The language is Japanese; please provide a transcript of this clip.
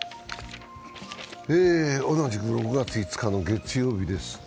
同じく６月５日の月曜日です。